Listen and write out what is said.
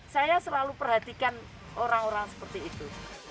saya selalu perhatikan orang orang seperti itu